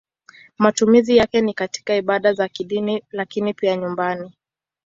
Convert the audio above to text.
Matumizi yake ni katika ibada za kidini lakini pia nyumbani.